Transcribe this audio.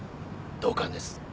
同感です。